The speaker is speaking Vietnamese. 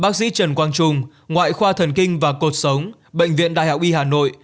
bác sĩ trần quang trung ngoại khoa thần kinh và cột sống bệnh viện đại học y hà nội